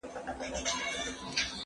زه بايد وخت تېرووم!